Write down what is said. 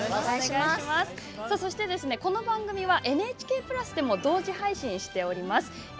そして、この番組はＮＨＫプラスでも同時配信しております。